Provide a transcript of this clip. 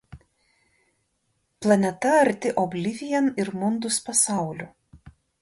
Planeta arti "Oblivion" ir "Mundus" pasaulių.